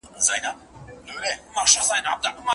لارښود د مقالې پیلنۍ بڼه په دقت سره ولوستله.